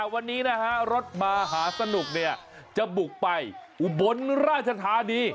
วันนี้นะฮะรถมหาสนุกจะบุกไปอุบลราชธานี